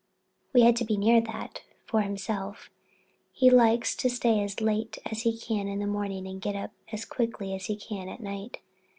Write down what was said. We had to be near that for Himself—he likes to stay as late as he can in the morning and get up as quick as he can at night.